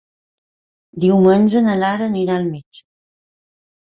Diumenge na Lara anirà al metge.